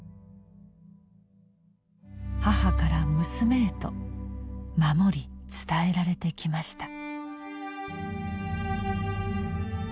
母から娘へと守り伝えられてきました。